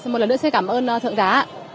một lần nữa xin cảm ơn thượng giá